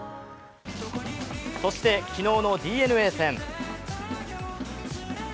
そして昨日のＤｅＮＡ戦。